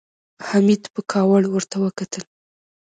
حميد په کاوړ ورته وکتل.